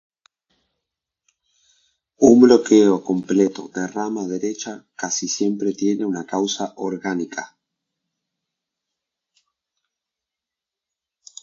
Un bloqueo completo de rama derecha casi siempre tiene una causa orgánica.